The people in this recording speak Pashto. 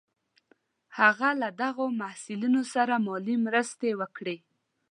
هغه له دغو محصلینو سره مالي مرستې وکړې.